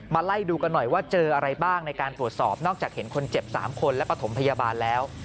ไล่ดูกันหน่อยว่าเจออะไรบ้างในการตรวจสอบนอกจากเห็นคนเจ็บ๓คนและปฐมพยาบาลแล้ว